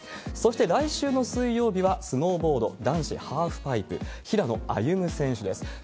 そして来週の水曜日はスノーボード男子ハーフパイプ、平野歩夢選手です。